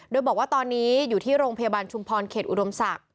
โดยบอกว่าตอนนี้อยู่ที่โรงพยาบาลชุมพรเขตอุดมศักดิ